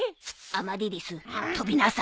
アマリリス飛びなさい。